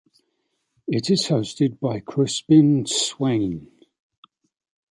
It is hosted by Crispin Swayne.